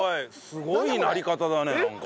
すごいなり方だねなんか。